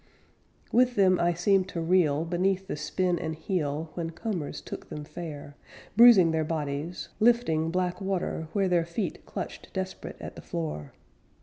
With them I seemed to reel Beneath the spin and heel When combers took them fair, Bruising their bodies, Lifting black water where Their feet clutched desperate at the floor.